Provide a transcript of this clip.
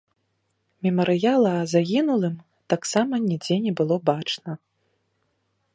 Мемарыяла загінулым таксама нідзе не было бачна.